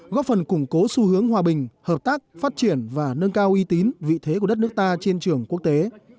góp phần củng cố xu hướng hòa bình hợp tác phát triển và nâng cao uy tín vị thế của đất nước ta trên trường quốc tế